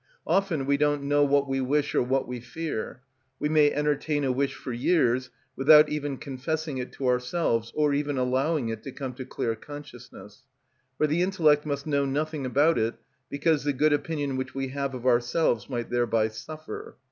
Often we don't know what we wish or what we fear. We may entertain a wish for years without even confessing it to ourselves, or even allowing it to come to clear consciousness; for the intellect must know nothing about it, because the good opinion which we have of ourselves might thereby suffer.